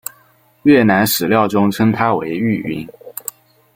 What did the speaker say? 越南史料中称她为玉云。